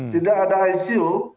tidak ada icu